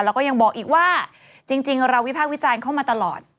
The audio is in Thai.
แล้วก็ยังบอกอีกว่าจริงเราวิพากษ์วิจารณ์เข้ามาตลอด